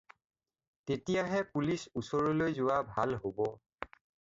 তেতিয়াহে পুলিচ ওচৰলৈ যোৱা ভাল হ'ব।